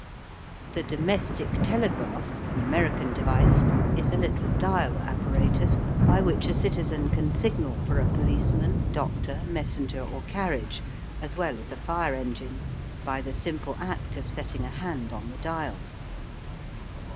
The "Domestic Telegraph," an American device, is a little dial apparatus by which a citizen can signal for a policeman, doctor, messenger, or carriage, as well as a fire engine, by the simple act of setting a hand on the dial.